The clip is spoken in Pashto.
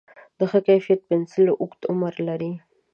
د ښه کیفیت پنسل اوږد عمر لري.